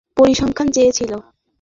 Police বিভাগের পরিসংখ্যান চেয়েছিল।